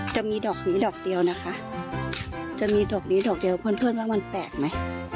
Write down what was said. จะมีดอกนี้ดอกเดียวนะคะจะมีดอกนี้ดอกเดียวเพื่อนว่ามันแปลกไหม